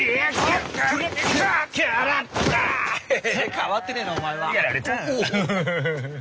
変わってねえなお前は。